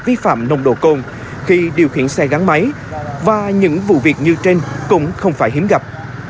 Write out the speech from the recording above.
vi phạm nồng độ cồn khi điều khiển xe gắn máy và những vụ việc như trên cũng không phải hiếm gặp